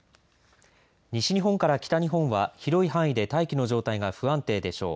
西日本から北日本は広い範囲で大気の状態が不安定でしょう。